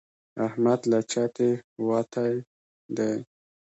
احمد له چتې وتی دی.